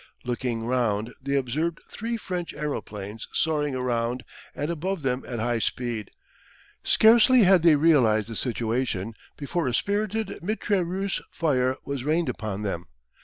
Looking round, they observed three French aeroplanes soaring around and above them at high speed. Scarcely had they realised the situation before a spirited mitraireuse fire was rained upon them.